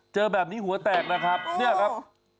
เจอแบบนี้หัวแตกนะครับเนี่ยครับ